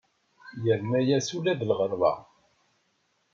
Yerna-as ula d lɣerba.